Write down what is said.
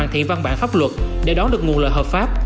thu luật để đón được nguồn lợi hợp pháp